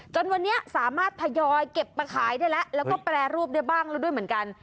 จนวันนี้สามารถทยอยเก็บมาขายได้แล้วแล้วก็แปรรูปได้บ้างแล้วด้วยเหมือนกัน